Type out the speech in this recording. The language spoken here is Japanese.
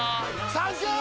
サンキュー！！